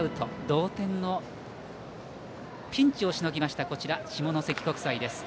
同点のピンチをしのぎました下関国際です。